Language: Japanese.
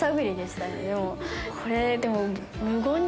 これでも。